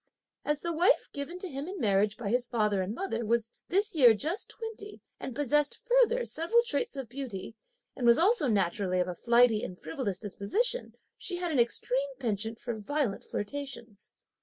As the wife given to him in marriage by his father and mother was this year just twenty, and possessed further several traits of beauty, and was also naturally of a flighty and frivolous disposition, she had an extreme penchant for violent flirtations.